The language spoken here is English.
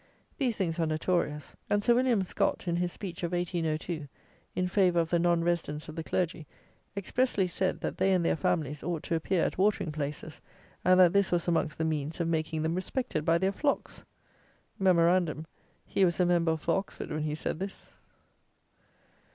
These things are notorious; and Sir William Scott, in his speech of 1802, in favour of the non residence of the Clergy, expressly said, that they and their families ought to appear at watering places, and that this was amongst the means of making them respected by their flocks! Memorandum: he was a member for Oxford when he said this!